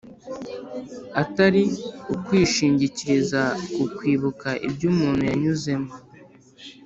atari ukwishingikiriza ku kwibuka ibyo umuntu yanyuzemo